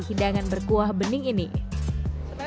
hidangan berhubungan dengan hidangan berhubungan dengan